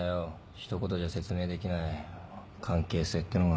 一言じゃ説明できない関係性ってのが。